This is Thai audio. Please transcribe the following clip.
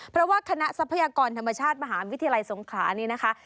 เพราะว่าคณะทรัพยากรธรรมชาติมหาวิทยาลัยสงขลานี่นะคะ